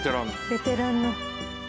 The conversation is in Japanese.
ベテランの。